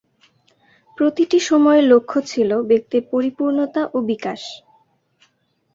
প্রতিটি সময়ের লক্ষ্য ছিল ব্যক্তির পরিপূর্ণতা ও বিকাশ।